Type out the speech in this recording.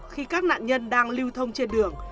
khi các nạn nhân đang lưu thông trên đường